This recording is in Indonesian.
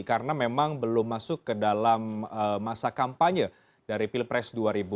karena memang belum masuk ke dalam masa kampanye dari pilpres dua ribu dua puluh